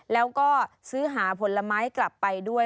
แล้วก็ซื้อหาผลไม้กลับไปด้วย